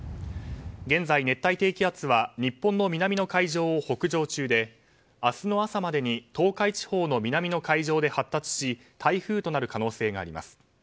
現在、熱帯低気圧は日本の南の海上を北上中で明日の朝までに東海地方に南の海上で発達し台風となる可能性があります。